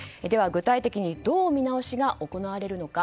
具体的にどう見直しが行われるのか。